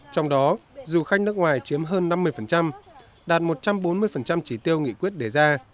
trong đó du khách nước ngoài chiếm hơn năm mươi đạt một trăm bốn mươi trí tiêu nghị quyết đề ra